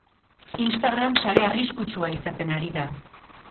Instagram sare arriskutsua izaten ari da.